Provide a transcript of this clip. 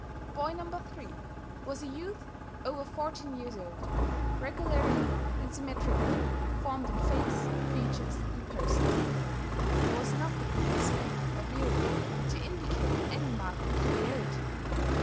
Boy No. 3 was a youth over fourteen years old, regularly and symmetrically formed in face, features, and person. There was nothing in his make or bearing to indicate any marked peculiarity.